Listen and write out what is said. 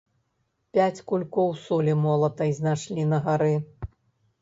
Пяць кулькоў солі молатай знайшлі на гары.